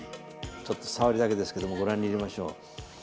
ちょっとさわりだけですけどもご覧に入れましょう。